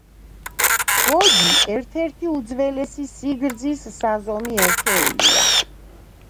გოჯი ერთ-ერთი უძველესი სიგრძის საზომი ერთეულია.